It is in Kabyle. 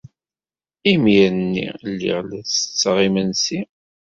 Imir-nni, lliɣ la ttetteɣ imensi.